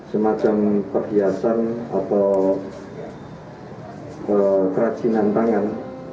semacam perhiasan atau kerajinan tangan